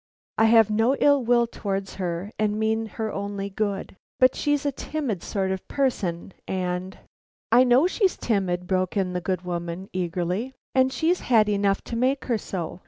I have no ill will towards her, and mean her only good, but she's a timid sort of person, and " "I know she's timid," broke in the good woman, eagerly. "And she's had enough to make her so!